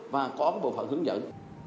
và có bộ phận hướng dẫn